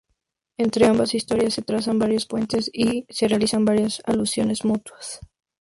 Entre ambas historias se trazan varios puentes y se realizan varias alusiones mutuas.